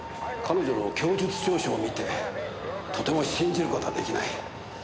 彼女の供述調書を見てとても信じる事は出来ない。